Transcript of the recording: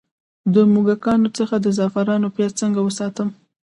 د موږکانو څخه د زعفرانو پیاز څنګه وساتم؟